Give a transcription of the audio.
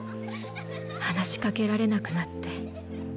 話しかけられなくなって。